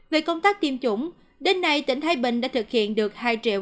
về công tác tiêm chủng đến nay tỉnh thái bình đã thực hiện được